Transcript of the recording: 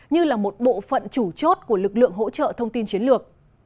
như là một bộ phận chủ chốt của lực lượng hỗ trợ thông tin chiến lược